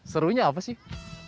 serunya apa sih